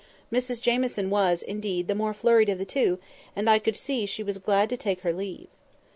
Mrs Jamieson was, indeed, the more flurried of the two, and I could see she was glad to take her leave.